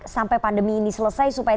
sampai pandemi ini selesai supaya